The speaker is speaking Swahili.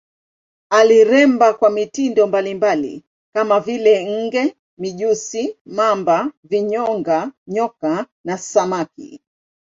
Aliremba kwa mitindo mbalimbali kama vile nge, mijusi, mamba, vinyonga, nyoka na samaki.